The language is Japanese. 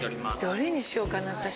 どれにしようかな私。